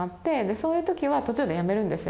そういうときは途中でやめるんですよ。